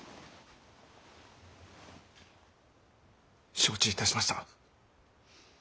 承知いたしました。